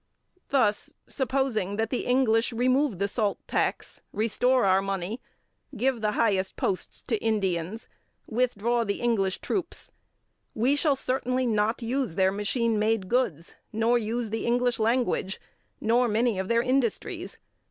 Thus, supposing that the English remove the salt tax, restore our money, give the highest posts to Indians, withdraw the English troops, we shall certainly not use their machine made goods, nor use the English language, nor many of their industries.